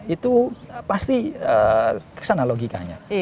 itu pasti kesana logikanya